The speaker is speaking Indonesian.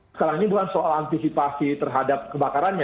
sekarang ini bukan soal antisipasi terhadap kebakarannya